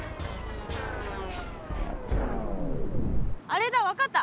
あれだ分かった。